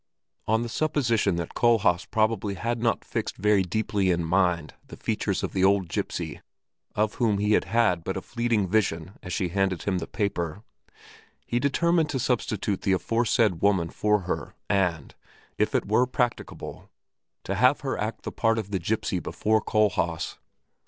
On the supposition that Kohlhaas probably had not fixed very deeply in mind the features of the old gipsy, of whom he had had but a fleeting vision as she handed him the paper, he determined to substitute the aforesaid woman for her and, if it were practicable, to have her act the part of the gipsy before Kohlhaas.